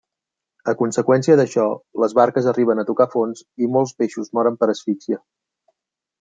A conseqüència d'això, les barques arriben a tocar fons i molts peixos moren per asfíxia.